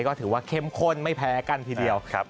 ก็ถือว่าเข้มข้นไม่แพ้กันทีเดียว